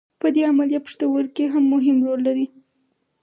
په دې عملیه پښتورګي مهم رول لري.